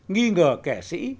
nghi ngờ kẻ sĩ